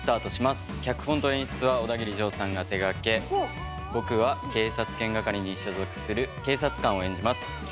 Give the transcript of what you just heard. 脚本と演出はオダギリジョーさんが手がけ僕は警察犬係に所属する警察官を演じます。